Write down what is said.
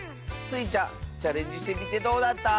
スイちゃんチャレンジしてみてどうだった？